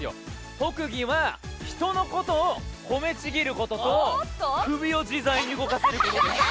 特技は人のことを褒めちぎることと首を自在に動かすことです。